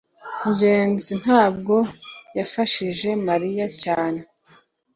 ngenzi ntabwo yafashije mariya cyane